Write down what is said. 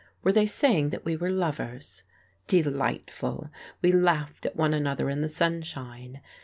Were they saying that we were lovers? Delightful! We laughed at one another in the sunshine....